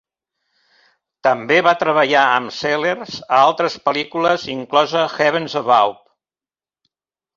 També va treballar amb Sellers a altres pel·lícules, inclosa Heavens Above!